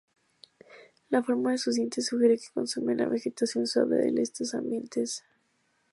La forma de sus dientes sugiere que consumían la vegetación suave del estos ambientes.